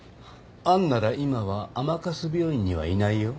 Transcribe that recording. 杏なら今は甘春病院にはいないよ。